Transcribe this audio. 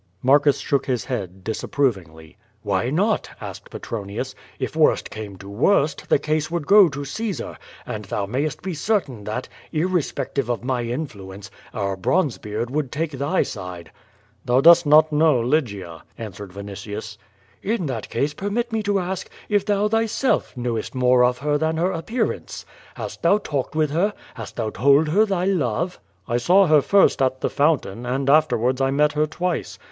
'^ Marcus shook his head disapprovingly. "Why not?" asked Petronius. "If worst came to worst, the case would go to Caesar, and thou mayest be certain that, irrespective of my influence, our Bronzebeard would take thy side." "Thou dost not know Lygia," answered Vinitius. "In that case permit me to ask, if thou thyself knowest more of her than her appearance? Hast thou talked with her? Hast thou told her thy love?" "I saw her first at the fountain, and afterwards I met her twice.